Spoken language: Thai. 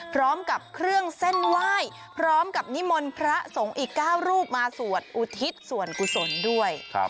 พร้อมกับเครื่องเส้นไหว้พร้อมกับนิมนต์พระสงฆ์อีก๙รูปมาสวดอุทิศส่วนกุศลด้วย